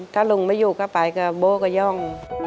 ถ้าลุงไม่อยู่ก็ไปก็โบ้ก็ย่อง